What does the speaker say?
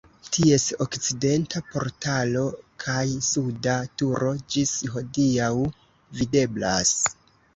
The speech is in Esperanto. Ties okcidenta portalo kaj suda turo ĝis hodiaŭ videblas.